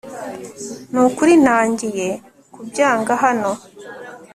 Nukuri ntangiye kubyanga hano